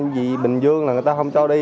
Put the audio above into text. vì bình dương là người ta không cho đi